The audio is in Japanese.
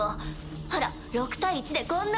ほら６対１でこんなに。